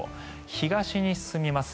東に進みます。